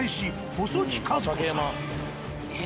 細木数子さん。